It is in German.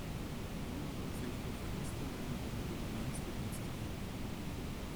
Ohne Rücksicht auf Verluste will er seine Dominanz demonstrieren.